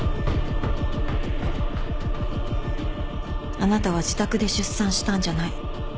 あなたは自宅で出産したんじゃない。